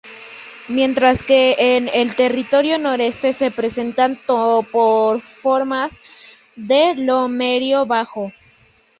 Mientras que en el territorio noreste se presentan topoformas de lomerío bajo.